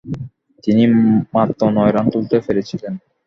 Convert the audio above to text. তিনি মাত্র নয় রান তুলতে পেরেছিলেন।